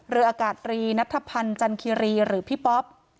เรืออากาศรีณจันทรีหรือพี่ป๊อบ